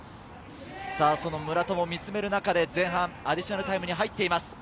村田も見つめる中で前半アディショナルタイムに入っています。